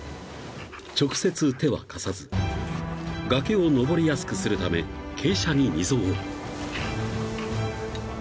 ［直接手は貸さず崖を登りやすくするため傾斜に溝を］